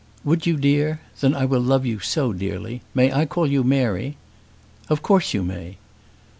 "Would you, dear? Then I will love you so dearly. May I call you Mary?" "Of course you may."